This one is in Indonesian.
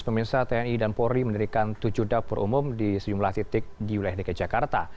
pemirsa tni dan polri mendirikan tujuh dapur umum di sejumlah titik di wilayah dki jakarta